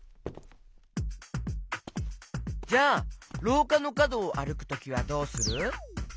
じゃあろうかのかどをあるくときはどうする？